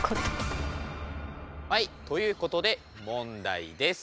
はいということで問題です。